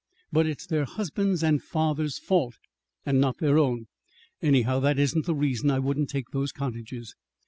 But it's their husbands' and fathers' fault, and not their own. Anyhow, that isn't the reason I wouldn't take those cottages.